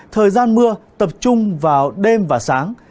thời gian mưa tập trung vào đêm và sáng